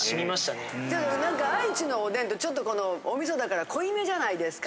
愛知のおでんってちょっとこのお味噌だから濃いめじゃないですか。